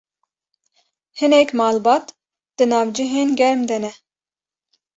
hinek malbat di nav cihên germ de ne